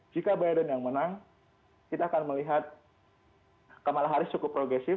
jika biden yang menang kita akan melihat kamala harris cukup progresif